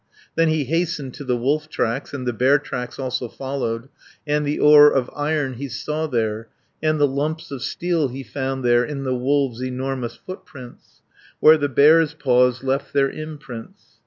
"Then he hastened to the wolf tracks, And the bear tracks also followed, And the ore of iron he saw there, And the lumps of steel he found there, In the wolves' enormous footprints; Where the bears' paws left their imprints.